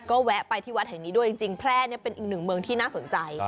ก็แวะไปที่วัดแห่งนี้ด้วยจริงแพร่นี่เป็นอีกหนึ่งเมืองที่น่าสนใจ